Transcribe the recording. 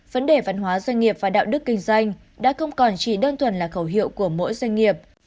vấn đề văn hóa doanh nghiệp và đạo đức kinh doanh đã không còn chỉ đơn thuần là khẩu hiệu của mỗi doanh nghiệp